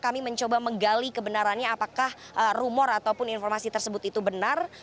kami mencoba menggali kebenarannya apakah rumor ataupun informasi tersebut itu benar